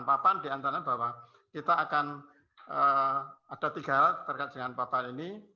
papan diantaranya bahwa kita akan ada tiga hal terkait dengan papan ini